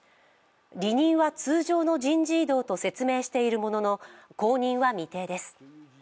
離任は通常の人事異動と説明しているものの後任は未定です。